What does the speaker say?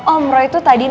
om roy tuh tadi nemuin gue